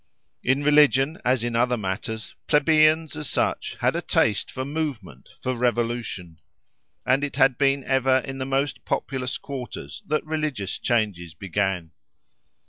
In religion, as in other matters, plebeians, as such, had a taste for movement, for revolution; and it had been ever in the most populous quarters that religious changes began.